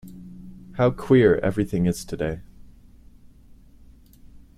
How queer everything is to-day!